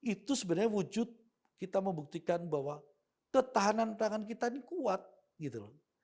itu sebenarnya wujud kita membuktikan bahwa ketahanan tangan kita ini kuat gitu loh